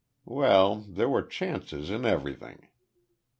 Well, there were chances in everything.